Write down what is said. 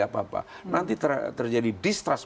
apa apa nanti terjadi distrust